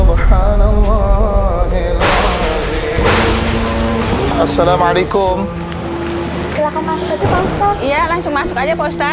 iya langsung masuk aja pak ustadz